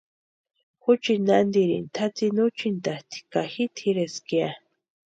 Juchiti nantiri tʼatsïni úchintasti ka ji tʼireska ya.